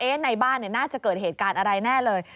ในบ้านน่าจะเกิดเหตุการณ์อะไรแน่เลย